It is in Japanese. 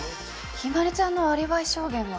陽葵ちゃんのアリバイ証言は。